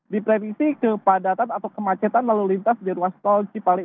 di prediksi kepadatan atau kemacetan lalu lintas di ruas tol cipaling